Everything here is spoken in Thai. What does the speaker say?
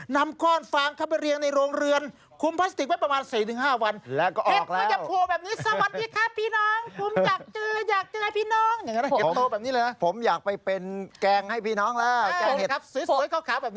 นำก้อนฟางเข้าไปเรียงในโรงเรือนคุมพลาสติกไว้ประมาณ๔๕วันแล้วก็